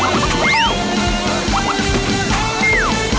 ออโมโตร์มหาสนุก